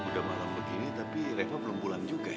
udah malam begini tapi reva belum pulang juga ya